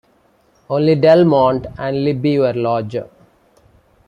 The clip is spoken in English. Only Del Monte and Libby were larger.